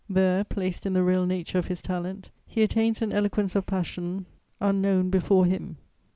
_ There, placed in the real nature of his talent, he attains an eloquence of passion unknown before him.